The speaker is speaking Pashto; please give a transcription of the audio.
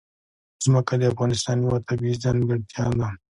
ځمکه د افغانستان یوه طبیعي ځانګړتیا ده.